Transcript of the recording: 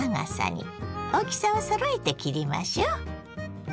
大きさをそろえて切りましょ。